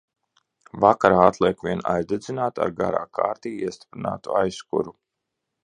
Vakarā atliek vien aizdedzināt ar garā kārtī iestiprinātu aizkuru.